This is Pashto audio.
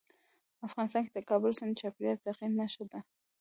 افغانستان کې د کابل سیند د چاپېریال د تغیر نښه ده.